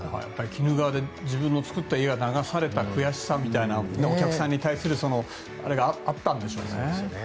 鬼怒川で自分の作った家が流された悔しさとかお客さんに対するあれがあったんでしょうね。